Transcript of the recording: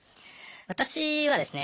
私はですね